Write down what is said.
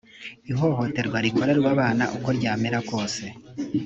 ihohoterwa rikorerwa abana uko ryamera kose